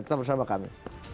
tetap bersama kami